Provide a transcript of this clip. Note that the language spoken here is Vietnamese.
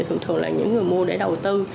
thường thường là những người mua để đầu tư